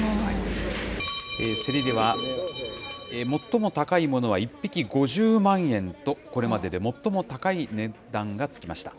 競りでは最も高いものは１匹５０万円と、これまでで最も高い値段がつきました。